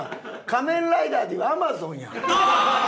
『仮面ライダー』でいうアマゾンやん。